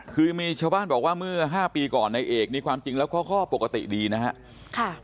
คือมีชาวบ้านบอกว่าเมื่อ๕ปีก่อนในเอกนี่ความจริงแล้วข้อปกติดีนะครับ